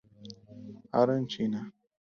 Arantina